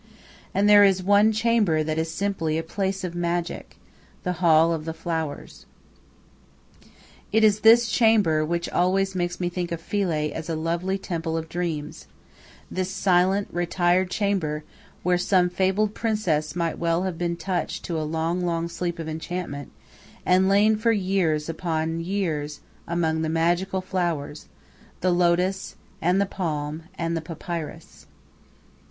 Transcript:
And there is one chamber that is simply a place of magic the hall of the flowers. It is this chamber which always makes me think of Philae as a lovely temple of dreams, this silent, retired chamber, where some fabled princess might well have been touched to a long, long sleep of enchantment, and lain for years upon years among the magical flowers the lotus, and the palm, and the papyrus.